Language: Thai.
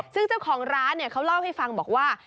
ซึ่งเจ้าของร้านเขาเล่าให้ฟังบอกว่า